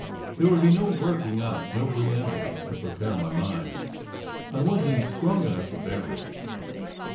There would be no working up, no preamble, to prepare my mind. I wasn t strong enough to bear it.